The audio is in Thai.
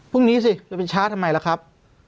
พรุ่งนี้สิจะไปช้าทำไมล่ะครับ